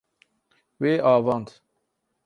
Wê avand.